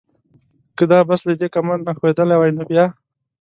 که دا بس له دې کمر نه ښویېدلی وای نو بیا؟